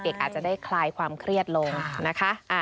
อาจจะได้คลายความเครียดลงนะคะ